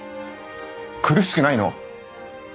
苦しくないの？